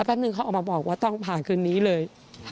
หนึ่งเขาออกมาบอกว่าต้องผ่านคืนนี้เลย